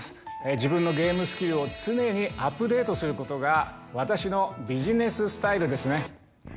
自分のゲームスキルを常にアップデートすることが私のビジネススタイルですね。